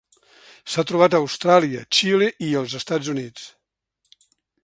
S’ha trobat a Austràlia, Xile i als Estats Units.